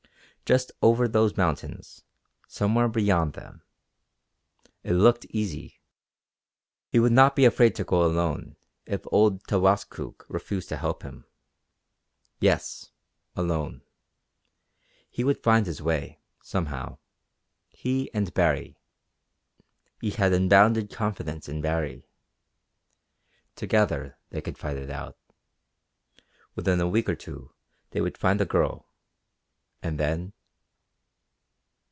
Just over those mountains somewhere beyond them. It looked easy. He would not be afraid to go alone, if old Towaskook refused to help him. Yes, alone. He would find his way, somehow, he and Baree. He had unbounded confidence in Baree. Together they could fight it out. Within a week or two they would find the Girl. And then...?